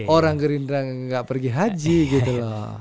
orang gerindra nggak pergi haji gitu loh